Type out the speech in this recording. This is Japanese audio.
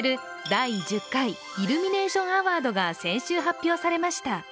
第１０回イルミネーションアワードが先週発表されました。